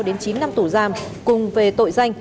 đến chín năm trung thân